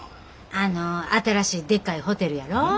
あの新しいでっかいホテルやろ？